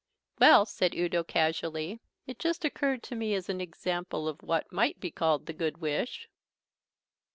"Well," said Udo casually, "it just occurred to me as an example of what might be called the Good Wish."